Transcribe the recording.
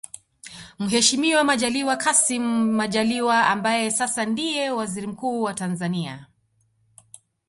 Mheshimiwa Majaliwa Kassim Majaliwa ambaye sasa ndiye Waziri Mkuu wa Tanzania